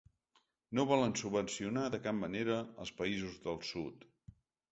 No volen subvencionar de cap manera els països del sud.